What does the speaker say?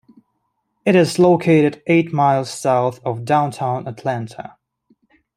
It is located eight miles south of downtown Atlanta.